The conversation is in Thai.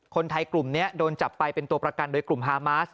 คนไทยกลุ่มนี้โดนจับไปเป็นตัวประกันโดยกลุ่มฮามาส